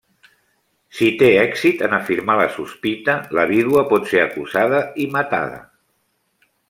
Si té èxit en afirmar la sospita, la vídua pot ser acusada i matada.